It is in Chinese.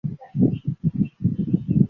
母亲是日本人。